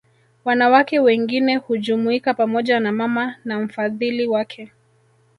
Wanawake wengine hujumuika pamoja na mama na mfadhili wake